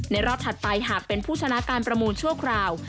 รอบถัดไปหากเป็นผู้ชนะการประมูลชั่วคราว